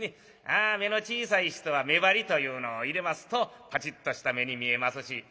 ああ目の小さい人は目張りというのを入れますとぱちっとした目に見えますし。